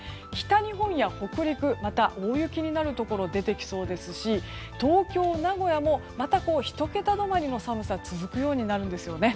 北日本や北陸、また大雪になるところが出てきそうですし東京、名古屋もまた１桁止まりの寒さが続くようになるんです。